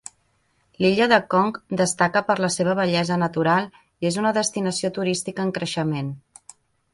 L'illa de Khong destaca per la seva bellesa natural i és una destinació turística en creixement.